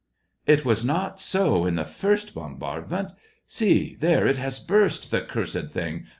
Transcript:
It was not so in the first bombardment. See, there it has burst, the cursed thing!